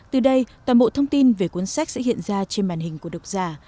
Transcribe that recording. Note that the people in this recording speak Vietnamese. từ đây toàn bộ thông tin về cuốn sách sẽ hiện ra trên màn hình của độc giả